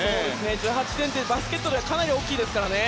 １８点はバスケットではかなり大きいです。